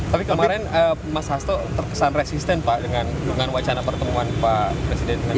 tapi kemarin mas hasto terkesan resisten pak dengan wacana pertemuan pak presiden kemarin